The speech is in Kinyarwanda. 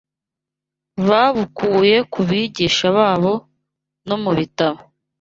babukuye ku bigisha babo no mu bitabo